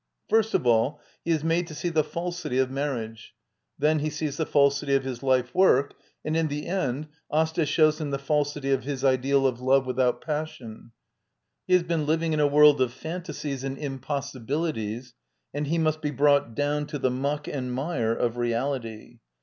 First of all, he is made to see the falsity of mar riage, then he sees the falsity of his life work, and in the end Asfa ^hnws him the faulty nf hjs iHpfll o f love wi tho ut pas sion. He has_bfien^liviag in a world of fantasies and. impossibilities and he must be brought down to the muck and mire of reality.